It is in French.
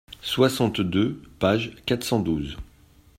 soixante-deux, page quatre cent douze.